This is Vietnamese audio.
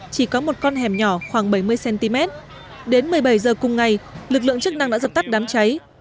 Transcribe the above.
chỉ có một con hẻm nhỏ khoảng bảy mươi cm đến một mươi bảy h cùng ngày lực lượng chức năng đã dập tắt đám cháy